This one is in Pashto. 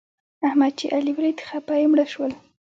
احمد چې علي وليد؛ خپه يې مړه شول.